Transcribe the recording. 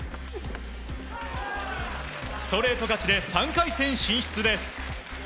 ストレート勝ちで３回戦進出です。